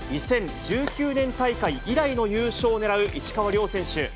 ２０１９年大会以来の優勝をねらう石川遼選手。